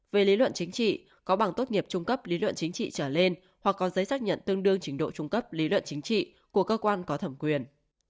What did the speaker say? về lý luận chính trị có bằng tốt nghiệp trung cấp lý luận chính trị trở lên hoặc có giấy xác nhận tương đương trình độ trung cấp lý luận chính trị của cơ quan có thẩm quyền